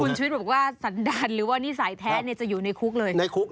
คุณชุวิตบอกว่าสันดาลหรือว่านิสัยแท้จะอยู่ในคุกเลย